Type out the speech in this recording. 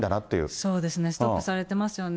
そうですね、ストップされてますよね。